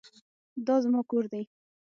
دا زما کور دی.